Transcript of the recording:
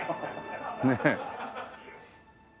ねえ。